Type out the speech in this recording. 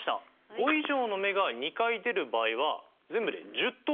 ５以上の目が２回出る場合は全部で１０通りありました。